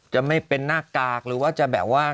จะไม่เป็นหน้ากากหรือว่าจะแบบว่า